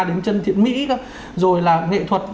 đến chân thiện mỹ rồi là nghệ thuật